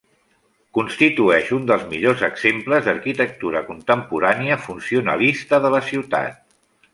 Constitueix un dels millors exemples d'arquitectura contemporània funcionalista de la ciutat.